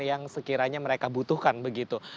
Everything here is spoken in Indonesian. yang sekiranya mereka butuhkan begitu